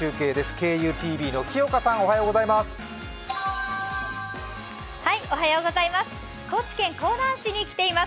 ＫＵＴＶの木岡さん、おはようございます。